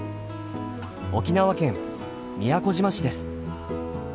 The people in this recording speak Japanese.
沖縄県宮古島市です。